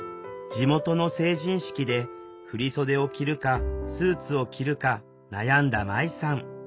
地元の成人式で振り袖を着るかスーツを着るか悩んだまいさん。